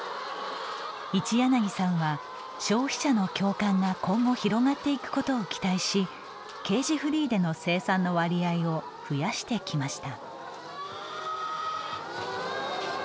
一柳さんは消費者の共感が今後広がっていくことを期待しケージフリーでの生産の割合を増やしてきました。